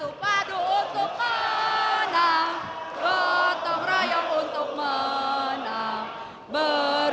udah gak sabar